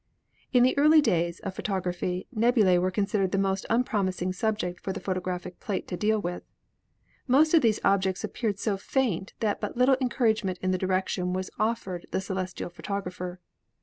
In the early days of photography nebulae were considered the most unpromising subject for the photographic plate to deal with. Most of these objects appeared so faint that but little encouragement in that direction was offered the celestial photographer.